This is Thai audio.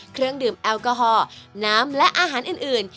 เครื่องดื่มแอลกอฮอลน้ำและอาหารอื่น